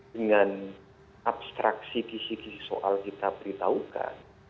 dengan abstraksi kisih kisih soal kita peritahukan